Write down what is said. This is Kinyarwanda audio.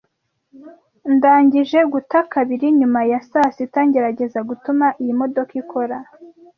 Ndangije guta kabiri nyuma ya saa sita ngerageza gutuma iyi modoka ikora.